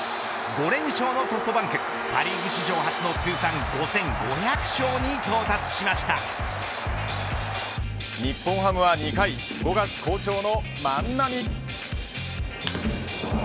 ５連勝のソフトバンクパ・リーグ史上初の通算５５００勝に日本ハムは２回５月好調の万波。